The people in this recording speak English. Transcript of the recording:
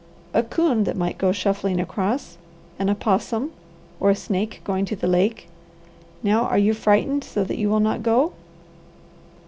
"A coon that might go shuffling across, an opossum, or a snake going to the lake. Now are you frightened so that you will not go?"